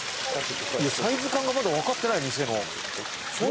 サイズ感がまだわかってない店の。